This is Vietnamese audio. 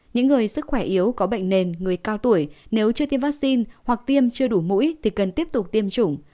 những người sức khỏe yếu có bệnh nền người cao tuổi nếu chưa tiêm vaccine hoặc tiêm chưa đủ mũi thì cần tiếp tục tiêm chủng